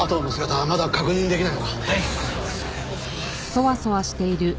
はい。